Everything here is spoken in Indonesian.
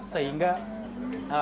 sehingga tidak cukup terdengar